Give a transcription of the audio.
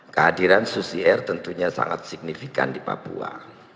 kehadiran susi air tentunya sangat signifikan di papua